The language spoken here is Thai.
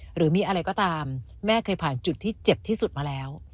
หรือมีอะไรก็ตามแม่เคยผ่านจุดที่เจ็บที่สุดมาแล้ว